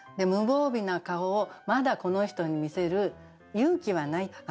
無防備な顔をまだこの人に見せる勇気はない。